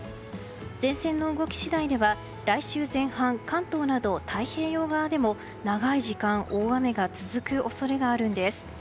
前線の動き次第では来週前半関東など、太平洋側でも長い時間大雨が続く恐れがあるんです。